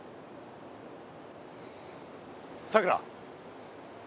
さくら。